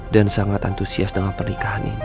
dan sangat antusias dengan pernikahannya